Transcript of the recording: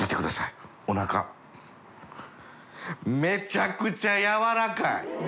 めちゃくちゃ柔らかい！